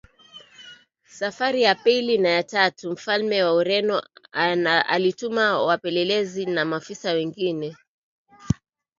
Safari ya pili na ya tatu Mfalme wa Ureno alituma wapelelezi na maafisa wengine